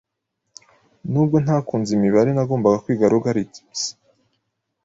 Nubwo ntakunze imibare, nagombaga kwiga logarithms.